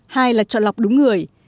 hai là chọn lọc đúng người